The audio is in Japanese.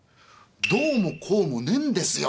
「どうもこうもねえんですよ。